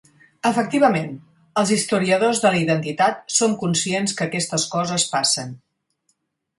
Efectivament, els historiadors de la identitat som conscients que aquestes coses passen.